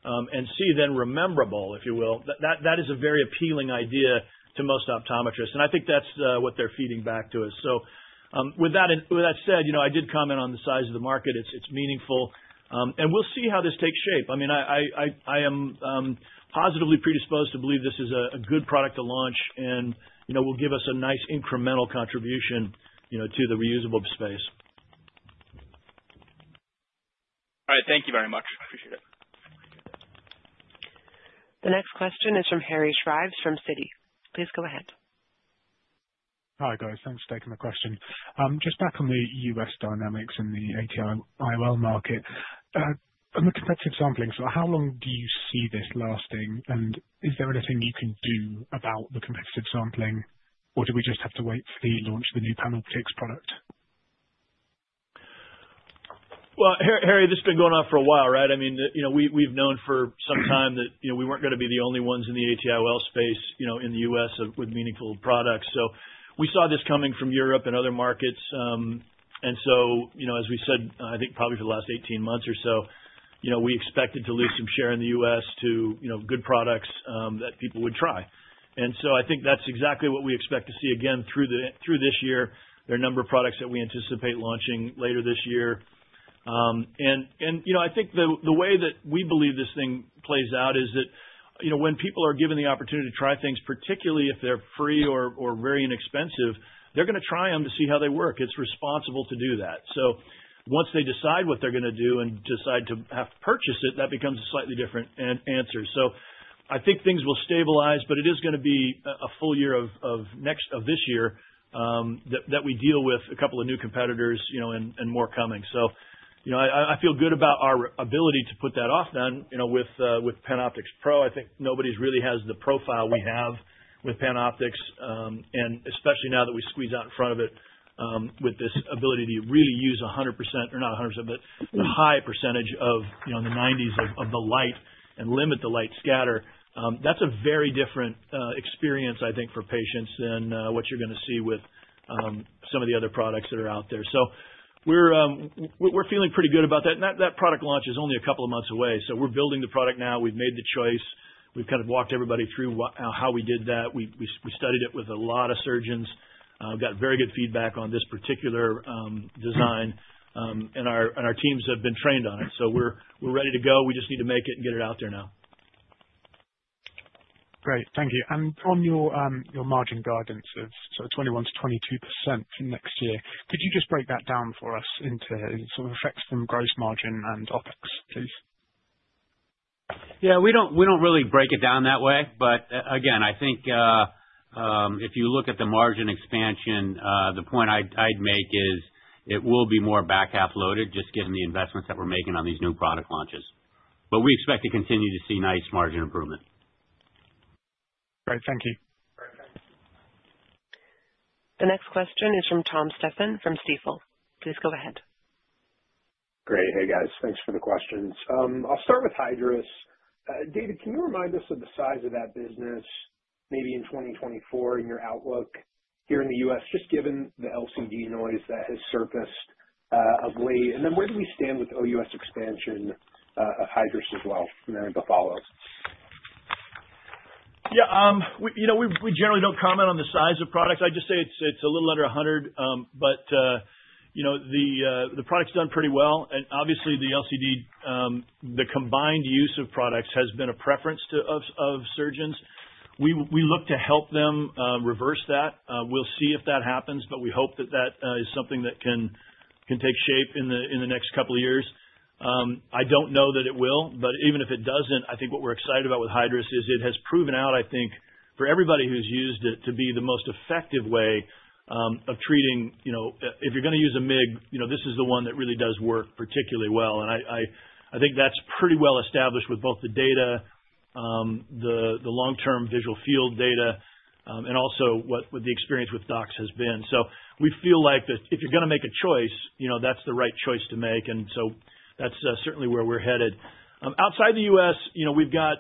and, C, then rememberable, if you will, that is a very appealing idea to most optometrists. And I think that's what they're feeding back to us. So with that said, I did comment on the size of the market. It's meaningful. And we'll see how this takes shape. I mean, I am positively predisposed to believe this is a good product to launch and will give us a nice incremental contribution to the reusable space. All right. Thank you very much. I appreciate it. The next question is from Harry Shrives from Citi. Please go ahead. Hi, guys. Thanks for taking the question. Just back on the U.S. dynamics in the AT-IOL market, on the competitive sampling, so how long do you see this lasting? And is there anything you can do about the competitive sampling, or do we just have to wait for the launch of the new PanOptix product? Harry, this has been going on for a while, right? I mean, we've known for some time that we weren't going to be the only ones in the AT-IOL space in the U.S. with meaningful products. So we saw this coming from Europe and other markets. And so, as we said, I think probably for the last 18 months or so, we expected to lose some share in the U.S. to good products that people would try. And so I think that's exactly what we expect to see again through this year. There are a number of products that we anticipate launching later this year. And I think the way that we believe this thing plays out is that when people are given the opportunity to try things, particularly if they're free or very inexpensive, they're going to try them to see how they work. It's responsible to do that. So once they decide what they're going to do and decide to purchase it, that becomes a slightly different answer. So I think things will stabilize, but it is going to be a full year of this year that we deal with a couple of new competitors and more coming. So I feel good about our ability to put that off then with PanOptix Pro. I think nobody really has the profile we have with PanOptix, and especially now that we squeeze out in front of it with this ability to really use 100% or not 100%, but a high percentage of the 90s of the light and limit the light scatter. That's a very different experience, I think, for patients than what you're going to see with some of the other products that are out there. So we're feeling pretty good about that. That product launch is only a couple of months away. We're building the product now. We've made the choice. We've kind of walked everybody through how we did that. We studied it with a lot of surgeons. We've got very good feedback on this particular design, and our teams have been trained on it. We're ready to go. We just need to make it and get it out there now. Great. Thank you. And on your margin guidance of sort of 21%-22% next year, could you just break that down for us into sort of effects from gross margin and OpEx, please? Yeah, we don't really break it down that way. But again, I think if you look at the margin expansion, the point I'd make is it will be more back half loaded, just given the investments that we're making on these new product launches. But we expect to continue to see nice margin improvement. Great. Thank you. The next question is from Tom Stephan from Stifel. Please go ahead. Great. Hey, guys. Thanks for the questions. I'll start with Hydrus. David, can you remind us of the size of that business maybe in 2024 and your outlook here in the U.S., just given the LCD noise that has surfaced of late? And then where do we stand with OUS expansion of Hydrus as well? And then the follow-up. Yeah. We generally don't comment on the size of products. I'd just say it's a little under 100, but the product's done pretty well. And obviously, the LCD, the combined use of products has been a preference of surgeons. We look to help them reverse that. We'll see if that happens, but we hope that that is something that can take shape in the next couple of years. I don't know that it will, but even if it doesn't, I think what we're excited about with Hydrus is it has proven out, I think, for everybody who's used it, to be the most effective way of treating. If you're to use a MIG, this is the one that really does work particularly well. And I think that's pretty well established with both the data, the long-term visual field data, and also what the experience with docs has been. So we feel like if you're going to make a choice, that's the right choice to make, and so that's certainly where we're headed. Outside the U.S., we've got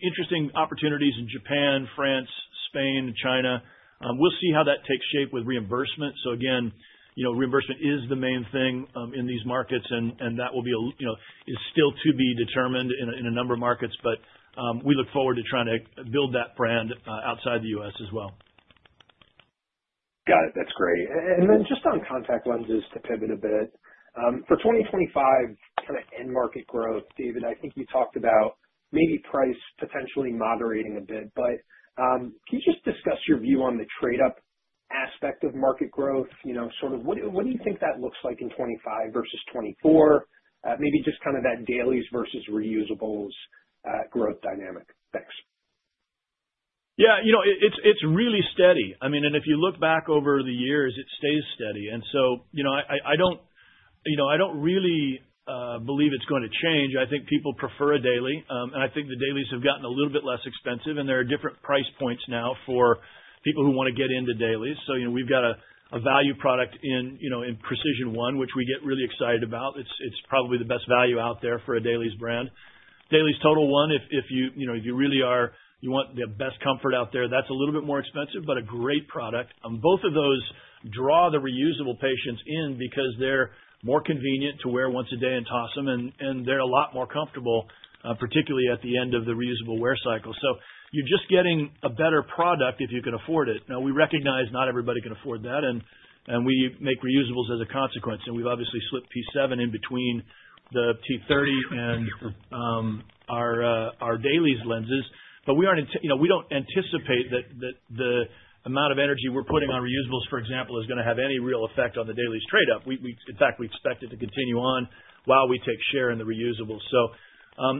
interesting opportunities in Japan, France, Spain, and China. We'll see how that takes shape with reimbursement, so again, reimbursement is the main thing in these markets, and that will be still to be determined in a number of markets, but we look forward to trying to build that brand outside the U.S. as well. Got it. That's great. And then just on contact lenses to pivot a bit, for 2025 kind of end market growth, David, I think you talked about maybe price potentially moderating a bit. But can you just discuss your view on the trade-up aspect of market growth? Sort of what do you think that looks like in 2025 versus 2024? Maybe just kind of that DAILIES versus reusables growth dynamic. Thanks. Yeah. It's really steady. I mean, and if you look back over the years, it stays steady. And so I don't really believe it's going to change. I think people prefer a daily. And I think the DAILIES have gotten a little bit less expensive. And there are different price points now for people who want to get into DAILIES. So we've got a value product in PRECISION1, which we get really excited about. It's probably the best value out there for a DAILIES brand. DAILIES TOTAL1, if you really want the best comfort out there, that's a little bit more expensive, but a great product. Both of those draw the reusable patients in because they're more convenient to wear once a day and toss them. And they're a lot more comfortable, particularly at the end of the reusable wear cycle. So you're just getting a better product if you can afford it. Now, we recognize not everybody can afford that. And we make reusables as a consequence. And we've obviously slipped P7 in between the T30 and our DAILIES lenses. But we don't anticipate that the amount of energy we're putting on reusables, for example, is going to have any real effect on the DAILIES trade-up. In fact, we expect it to continue on while we take share in the reusables. So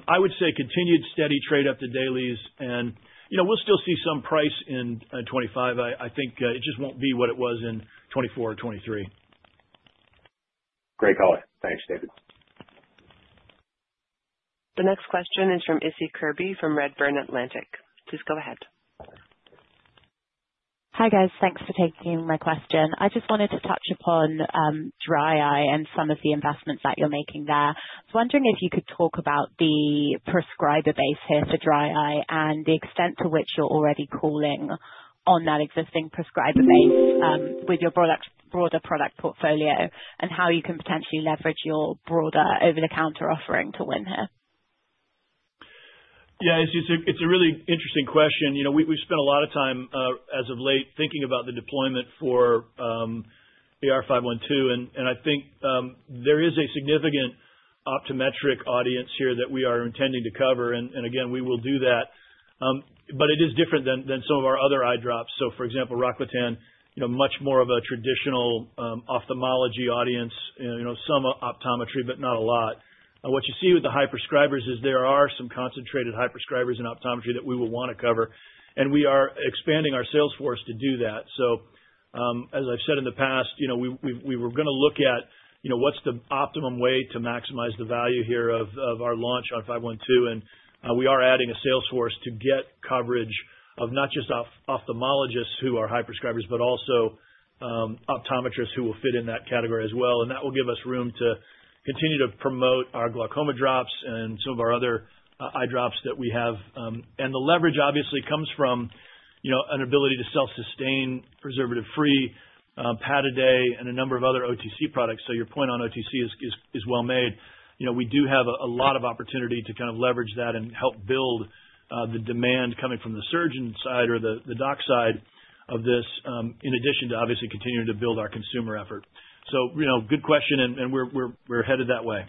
I would say continued steady trade-up to DAILIES. And we'll still see some price in 2025. I think it just won't be what it was in 2024 or 2023. Great call. Thanks, David. The next question is from Issie Kirby from Redburn Atlantic. Please go ahead. Hi, guys. Thanks for taking my question. I just wanted to touch upon dry eye and some of the investments that you're making there. I was wondering if you could talk about the prescriber base here for dry eye and the extent to which you're already calling on that existing prescriber base with your broader product portfolio and how you can potentially leverage your broader over-the-counter offering to win here? Yeah. It's a really interesting question. We've spent a lot of time as of late thinking about the deployment for the AR-15512, and I think there is a significant optometric audience here that we are intending to cover, and again, we will do that. But it is different than some of our other eye drops. So for example, Rocklatan, much more of a traditional ophthalmology audience, some optometry, but not a lot. What you see with the high prescribers is there are some concentrated high prescribers in optometry that we will want to cover, and we are expanding our sales force to do that. So as I've said in the past, we were going to look at what's the optimum way to maximize the value here of our launch on 512. We are adding a sales force to get coverage of not just ophthalmologists who are high prescribers, but also optometrists who will fit in that category as well. That will give us room to continue to promote our glaucoma drops and some of our other eye drops that we have. The leverage obviously comes from an ability to self-sustain preservative-free Pataday and a number of other OTC products. Your point on OTC is well-made. We do have a lot of opportunity to kind of leverage that and help build the demand coming from the surgeon side or the doc side of this, in addition to obviously continuing to build our consumer effort. Good question, and we're headed that way.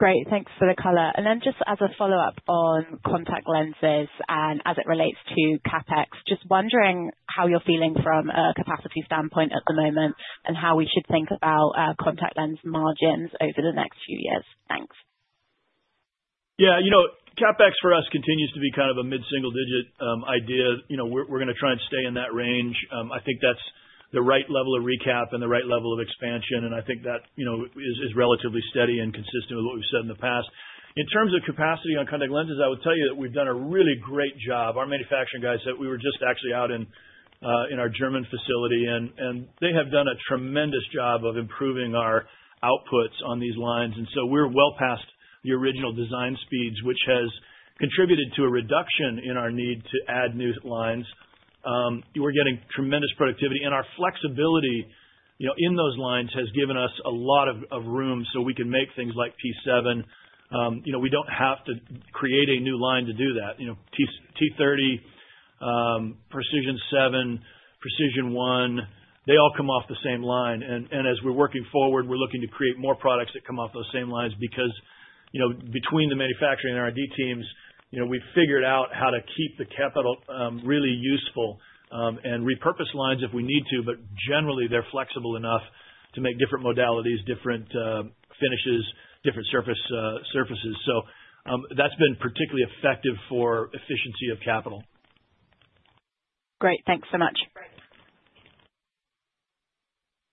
Great. Thanks for the color. And then just as a follow-up on contact lenses and as it relates to CapEx, just wondering how you're feeling from a capacity standpoint at the moment and how we should think about contact lens margins over the next few years. Thanks. Yeah. CapEx for us continues to be kind of a mid-single-digit idea. We're going to try and stay in that range. I think that's the right level of recap and the right level of expansion. And I think that is relatively steady and consistent with what we've said in the past. In terms of capacity on contact lenses, I would tell you that we've done a really great job. Our manufacturing guy said we were just actually out in our German facility, and they have done a tremendous job of improving our outputs on these lines. And so we're well past the original design speeds, which has contributed to a reduction in our need to add new lines. We're getting tremendous productivity. And our flexibility in those lines has given us a lot of room so we can make things like P7. We don't have to create a new line to do that. T30, PRECISION7, PRECISION1, they all come off the same line. And as we're working forward, we're looking to create more products that come off those same lines because between the manufacturing and R&D teams, we've figured out how to keep the capital really useful and repurpose lines if we need to. But generally, they're flexible enough to make different modalities, different finishes, different surfaces. So that's been particularly effective for efficiency of capital. Great. Thanks so much.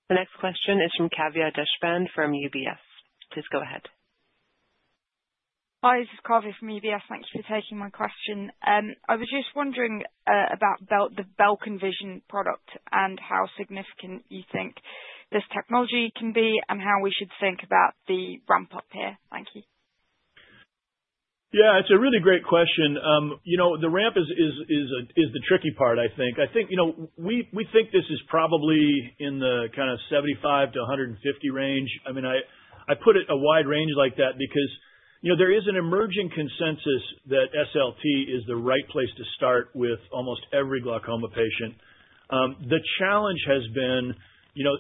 The next question is from Kavya Deshpande from UBS. Please go ahead. Hi, this is Kavya from UBS. Thank you for taking my question. I was just wondering about the Belkin Vision product and how significant you think this technology can be and how we should think about the ramp-up here. Thank you. Yeah. It's a really great question. The ramp is the tricky part, I think. I think we think this is probably in the kind of 75-150 range. I mean, I put it a wide range like that because there is an emerging consensus that SLT is the right place to start with almost every glaucoma patient. The challenge has been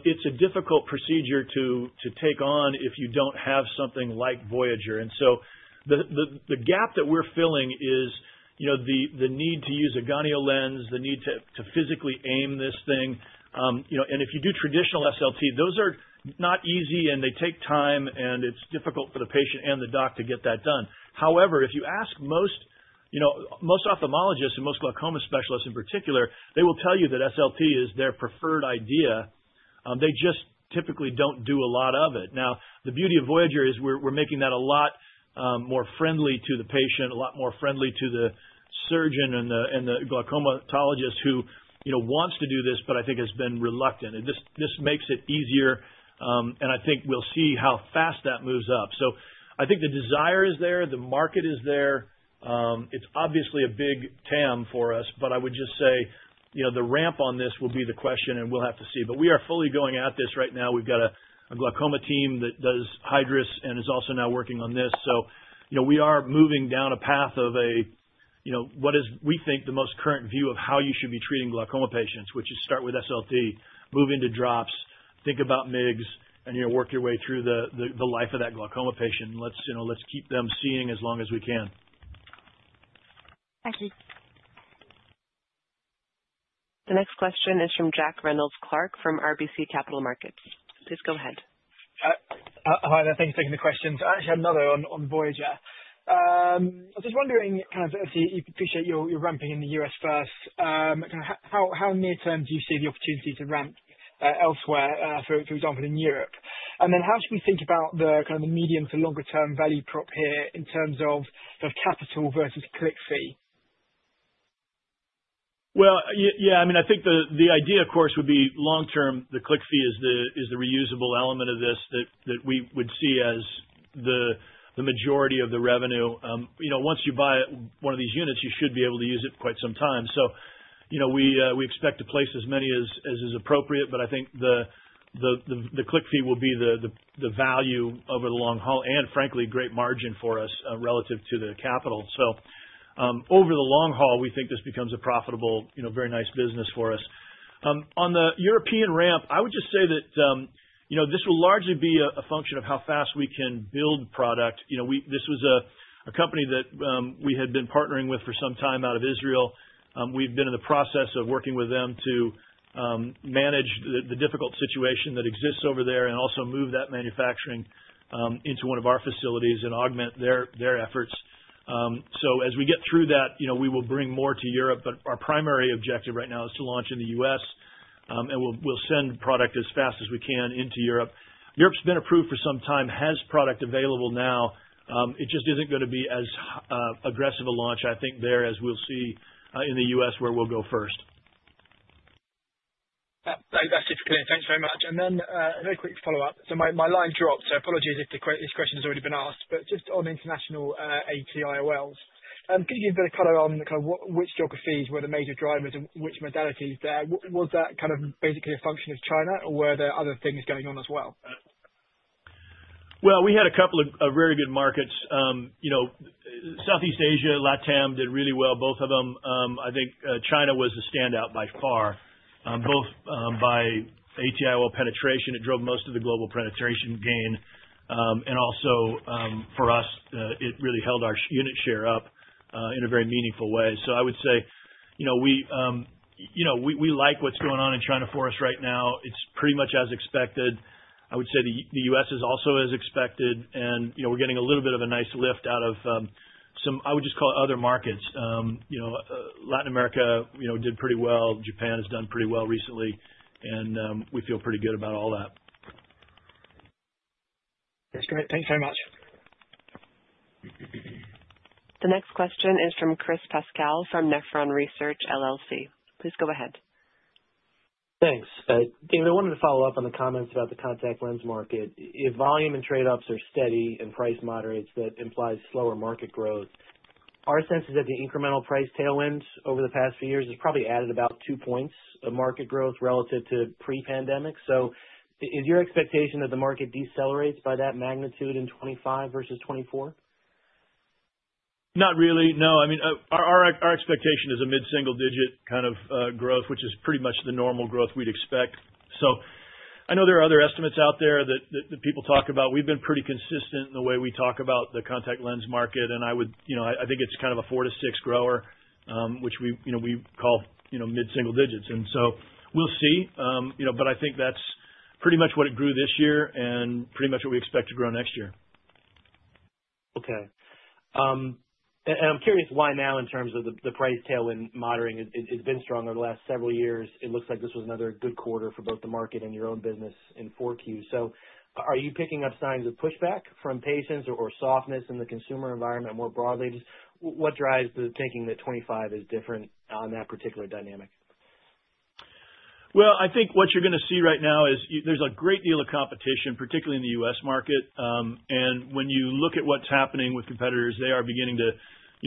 it's a difficult procedure to take on if you don't have something like Voyager. And so the gap that we're filling is the need to use a gonio lens, the need to physically aim this thing. And if you do traditional SLT, those are not easy, and they take time, and it's difficult for the patient and the doc to get that done. However, if you ask most ophthalmologists and most glaucoma specialists in particular, they will tell you that SLT is their preferred idea. They just typically don't do a lot of it. Now, the beauty of Voyager is we're making that a lot more friendly to the patient, a lot more friendly to the surgeon and the glaucomatologist who wants to do this, but I think has been reluctant. This makes it easier, and I think we'll see how fast that moves up, so I think the desire is there. The market is there. It's obviously a big TAM for us, but I would just say the ramp on this will be the question, and we'll have to see, but we are fully going at this right now. We've got a glaucoma team that does Hydrus and is also now working on this. So we are moving down a path of what is, we think, the most current view of how you should be treating glaucoma patients, which is start with SLT, move into drops, think about MIGS, and work your way through the life of that glaucoma patient. And let's keep them seeing as long as we can. Thank you. The next question is from Jack Reynolds-Clark from RBC Capital Markets. Please go ahead. Hi, thank you for taking the question. I actually have another on Voyager. I was just wondering kind of if you appreciate your ramping in the U.S. first. Kind of how near-term do you see the opportunity to ramp elsewhere, for example, in Europe? And then how should we think about the kind of medium to longer-term value prop here in terms of capital versus click fee? Well, yeah. I mean, I think the idea, of course, would be long-term. The click fee is the reusable element of this that we would see as the majority of the revenue. Once you buy one of these units, you should be able to use it for quite some time. So we expect to place as many as is appropriate. But I think the click fee will be the value over the long haul and, frankly, great margin for us relative to the capital. So over the long haul, we think this becomes a profitable, very nice business for us. On the European ramp, I would just say that this will largely be a function of how fast we can build product. This was a company that we had been partnering with for some time out of Israel. We've been in the process of working with them to manage the difficult situation that exists over there and also move that manufacturing into one of our facilities and augment their efforts. So as we get through that, we will bring more to Europe. But our primary objective right now is to launch in the U.S. And we'll send product as fast as we can into Europe. Europe's been approved for some time, has product available now. It just isn't going to be as aggressive a launch, I think, there as we'll see in the U.S. where we'll go first. That's just clear. Thanks very much. And then a very quick follow-up. So my line dropped. So apologies if this question has already been asked. But just on international AT-IOLs, could you give a bit of color on kind of which geographies were the major drivers and which modalities there? Was that kind of basically a function of China, or were there other things going on as well? We had a couple of very good markets. Southeast Asia, LATAM did really well, both of them. I think China was the standout by far, both by AT-IOL penetration. It drove most of the global penetration gain. And also, for us, it really held our unit share up in a very meaningful way. So I would say we like what's going on in China for us right now. It's pretty much as expected. I would say the U.S. is also as expected. And we're getting a little bit of a nice lift out of some, I would just call it, other markets. Latin America did pretty well. Japan has done pretty well recently. And we feel pretty good about all that. That's great. Thanks very much. The next question is from Chris Pasquale from Nephron Research LLC. Please go ahead. Thanks. David, I wanted to follow up on the comments about the contact lens market. If volume and trade-ups are steady and price moderates, that implies slower market growth. Our sense is that the incremental price tailwinds over the past few years have probably added about two points of market growth relative to pre-pandemic. So is your expectation that the market decelerates by that magnitude in 2025 versus 2024? Not really. No. I mean, our expectation is a mid-single-digit kind of growth, which is pretty much the normal growth we'd expect, so I know there are other estimates out there that people talk about. We've been pretty consistent in the way we talk about the contact lens market, and I think it's kind of a four to six grower, which we call mid-single digits, and so we'll see, but I think that's pretty much what it grew this year and pretty much what we expect to grow next year. Okay. And I'm curious why now in terms of the price tailwind moderating? [It] has been strong over the last several years. It looks like this was another good quarter for both the market and your own business in Q4. So are you picking up signs of pushback from patients or softness in the consumer environment more broadly? Just what drives the thinking that 2025 is different on that particular dynamic? I think what you're going to see right now is there's a great deal of competition, particularly in the U.S. market. And when you look at what's happening with competitors, they are beginning to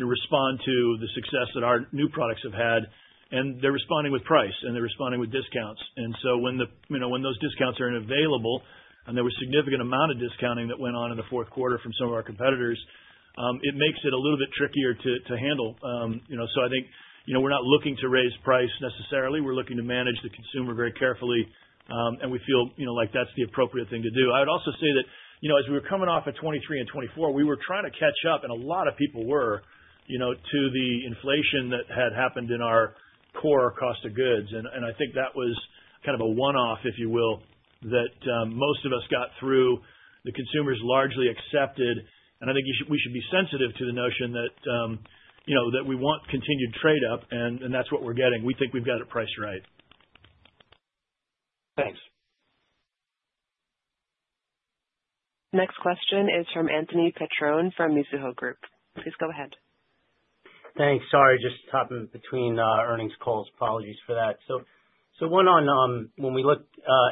respond to the success that our new products have had. And they're responding with price, and they're responding with discounts. And so when those discounts are unavailable and there was a significant amount of discounting that went on in the fourth quarter from some of our competitors, it makes it a little bit trickier to handle. So I think we're not looking to raise price necessarily. We're looking to manage the consumer very carefully. And we feel like that's the appropriate thing to do. I would also say that as we were coming off of 2023 and 2024, we were trying to catch up, and a lot of people were, to the inflation that had happened in our core cost of goods, and I think that was kind of a one-off, if you will, that most of us got through. The consumers largely accepted, and I think we should be sensitive to the notion that we want continued trade-up, and that's what we're getting. We think we've got it priced right. Thanks. Next question is from Anthony Petrone from Mizuho Group. Please go ahead. Thanks. Sorry, just hopping between earnings calls. Apologies for that. So one on when we look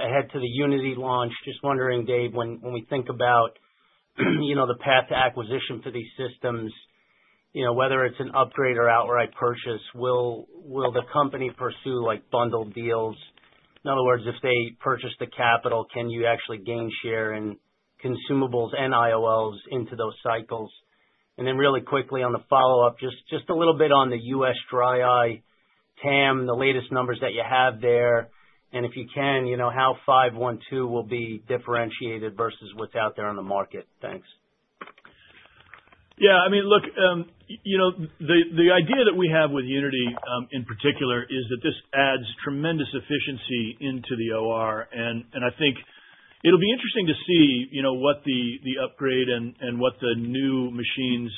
ahead to the Unity launch, just wondering, Dave, when we think about the path to acquisition for these systems, whether it's an upgrade or outright purchase, will the company pursue bundled deals? In other words, if they purchase the capital, can you actually gain share in consumables and IOLs into those cycles? And then really quickly on the follow-up, just a little bit on the U.S. dry eye TAM, the latest numbers that you have there. And if you can, how 512 will be differentiated versus what's out there on the market. Thanks. Yeah. I mean, look, the idea that we have with Unity in particular is that this adds tremendous efficiency into the OR. And I think it'll be interesting to see what the upgrade and what the new machines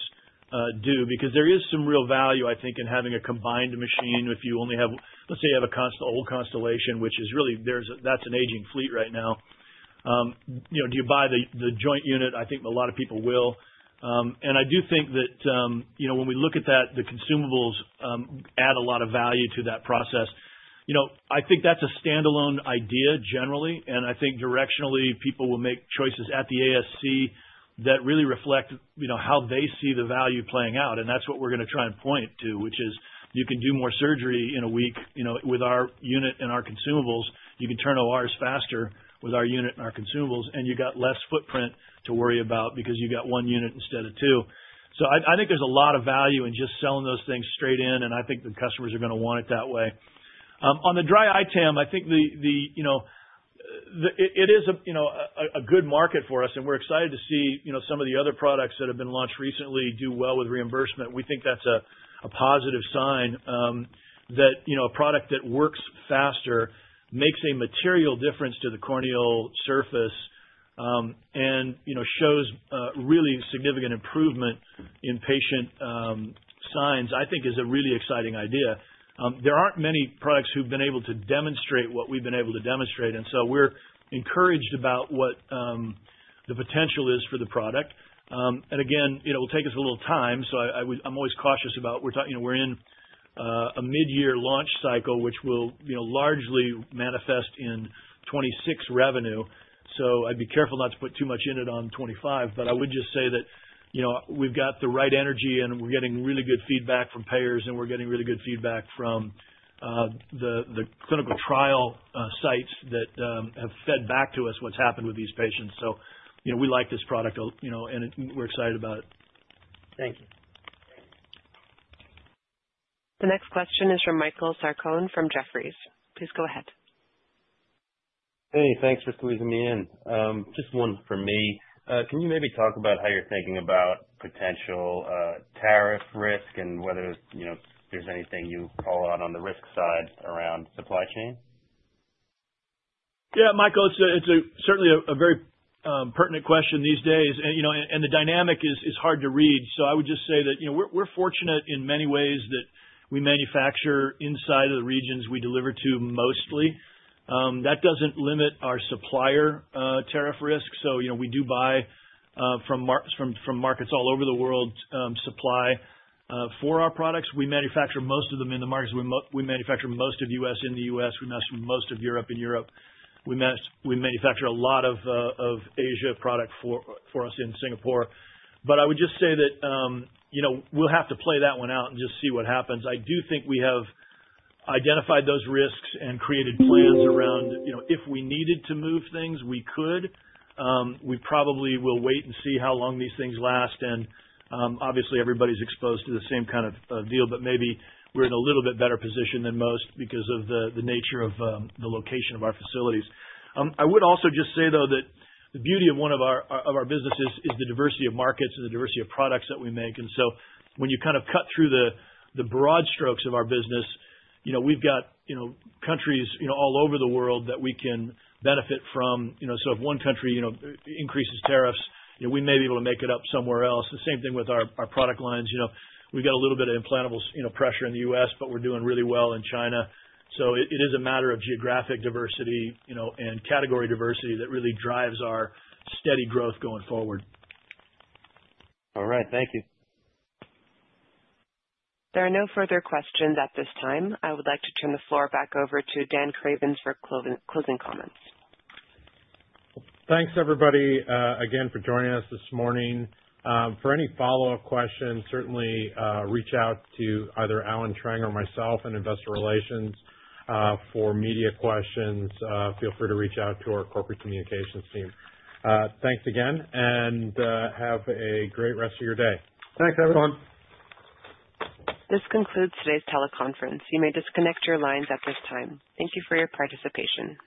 do because there is some real value, I think, in having a combined machine if you only have, let's say, you have an old Constellation, which is really, that's an aging fleet right now. Do you buy the joint unit? I think a lot of people will. And I do think that when we look at that, the consumables add a lot of value to that process. I think that's a standalone idea generally. And I think directionally, people will make choices at the ASC that really reflect how they see the value playing out. And that's what we're going to try and point to, which is you can do more surgery in a week with our unit and our consumables. You can turn ORs faster with our unit and our consumables, and you've got less footprint to worry about because you've got one unit instead of two. So I think there's a lot of value in just selling those things straight in. And I think the customers are going to want it that way. On the dry eye TAM, I think it is a good market for us. And we're excited to see some of the other products that have been launched recently do well with reimbursement. We think that's a positive sign that a product that works faster makes a material difference to the corneal surface and shows really significant improvement in patient signs, I think, is a really exciting idea. There aren't many products who've been able to demonstrate what we've been able to demonstrate. And so we're encouraged about what the potential is for the product. And again, it will take us a little time. So I'm always cautious about we're in a mid-year launch cycle, which will largely manifest in 2026 revenue. So I'd be careful not to put too much in it on 2025. But I would just say that we've got the right energy, and we're getting really good feedback from payers, and we're getting really good feedback from the clinical trial sites that have fed back to us what's happened with these patients. So we like this product, and we're excited about it. Thank you. The next question is from Michael Sarcone from Jefferies. Please go ahead. Hey, thanks for squeezing me in. Just one for me. Can you maybe talk about how you're thinking about potential tariff risk and whether there's anything you call out on the risk side around supply chain? Yeah, Michael, it's certainly a very pertinent question these days. The dynamic is hard to read. So I would just say that we're fortunate in many ways that we manufacture inside of the regions we deliver to mostly. That doesn't limit our supplier tariff risk. So we do buy from markets all over the world supply for our products. We manufacture most of them in the markets. We manufacture most of U.S. in the U.S. We manufacture most of Europe in Europe. We manufacture a lot of Asia product for us in Singapore. But I would just say that we'll have to play that one out and just see what happens. I do think we have identified those risks and created plans around if we needed to move things, we could. We probably will wait and see how long these things last. Obviously, everybody's exposed to the same kind of deal. Maybe we're in a little bit better position than most because of the nature of the location of our facilities. I would also just say, though, that the beauty of one of our businesses is the diversity of markets and the diversity of products that we make. When you kind of cut through the broad strokes of our business, we've got countries all over the world that we can benefit from. If one country increases tariffs, we may be able to make it up somewhere else. The same thing with our product lines. We've got a little bit of implantable pressure in the U.S., but we're doing really well in China. It is a matter of geographic diversity and category diversity that really drives our steady growth going forward. All right. Thank you. There are no further questions at this time. I would like to turn the floor back over to Dan Cravens for closing comments. Thanks, everybody, again, for joining us this morning. For any follow-up questions, certainly reach out to either Allen Trang or myself in investor relations. For media questions, feel free to reach out to our corporate communications team. Thanks again, and have a great rest of your day. Thanks, everyone. This concludes today's teleconference. You may disconnect your lines at this time. Thank you for your participation.